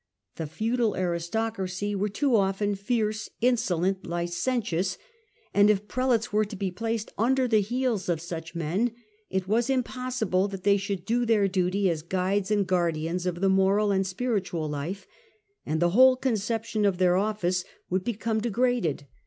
The feudal aristocracy were too often fierce, insolent, licentious ; and if pre lates were to be placed under the heels of such men it was impossible that they should do their duty as guides and guardians of the moral and spiritual life, and the whole conception of their office would become de Digitized by VjOOQIC The Last Years of Gregory VII. 155 graded.